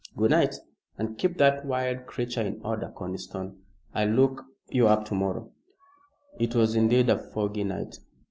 "Good night, and keep that wild creature in order. Conniston, I'll look you up to morrow." It was indeed a foggy night.